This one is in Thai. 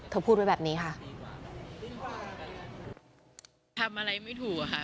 เธอพูดไว้แบบนี้ค่ะ